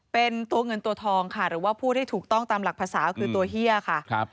เป็นตัวเงินตัวทองค่ะหรือว่าพูดให้ถูกต้องตามหลักภาษาคือตัวเฮียค่ะ